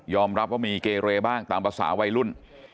รับว่ามีเกเรบ้างตามภาษาวัยรุ่น